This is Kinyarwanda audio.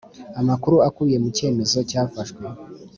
amakuru akubiye mu cyemezo cyafashwe